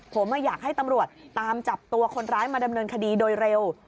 ผมอยากให้ตำรวจตามจับตัวคนร้ายมาดำเนินคดีโดยเร็ว